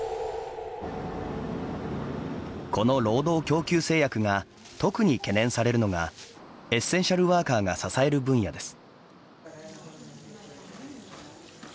この労働供給制約が特に懸念されるのがエッセンシャルワーカーが支える分野です。